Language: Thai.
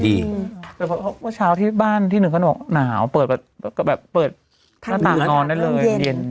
สังพักษณ์พอเช้าที่บ้านตี้นึกน่าวแปะแบบเปิดหน้าตางอ่อนได้เลยเย็น